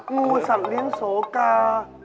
งูสับเลี้ยงโสกา